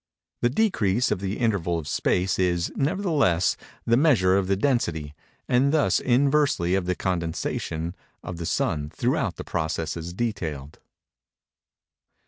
The decrease of the interval of space is, nevertheless, the measure of the density, and thus inversely of the condensation, of the Sun, throughout the processes detailed.